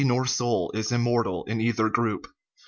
nor soul is immortal in either group.